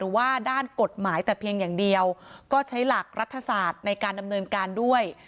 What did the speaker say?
ว่าด้านกฎหมายแต่เพียงอย่างเดียวก็ใช้หลักรัฐศาสตร์ในการดำเนินการด้วย